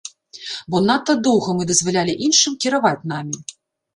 Бо надта доўга мы дазвалялі іншым кіраваць намі.